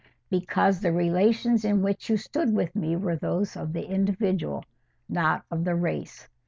"Because the relations in which you stood with me were those of the individual, not of the race.